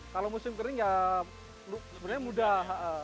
kalau musim kering ya sebenarnya mudah